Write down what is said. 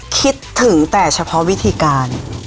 คิดถึงแต่เฉพาะวิธีการ